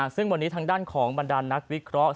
ซึ่งวันนี้ทางด้านของบรรดานนักวิเคราะห